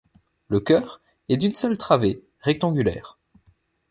Le chœur est d'une seule travée, rectangulaire.